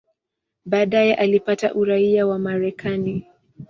Baadaye alipata uraia wa Marekani.